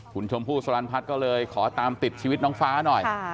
คุณชมพู่สลันพัฒน์ก็เลยขอตามติดชีวิตน้องฟ้าหน่อย